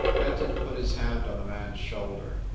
Fenton put his hand on the man s shoulder.